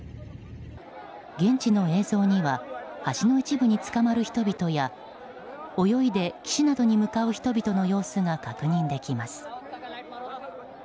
現地の映像には橋の一部につかまる人々や泳いで岸などに向かう人々の様子が確認できます。